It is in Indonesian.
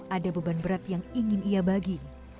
ada beban berat yang ingin ia bagi